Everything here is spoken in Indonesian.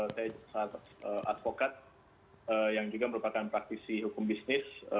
saya advokat yang juga merupakan praktisi hukum bisnis